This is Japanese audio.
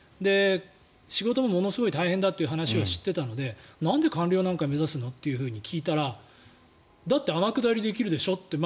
仕事もものすごい大変だという話を知っていたのでなんで官僚なんか目指すの？って聞いたらだって天下りできるでしょって。